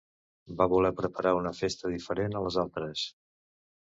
Va voler preparar una festa diferent a les altres.